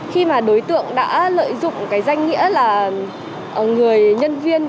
khi mà đối tượng đã lợi dụng cái danh nghĩa là người nhân viên